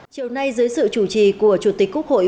chiều nay dưới sự chủ trì của chủ tịch quốc hội